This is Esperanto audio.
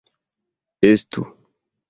Estu!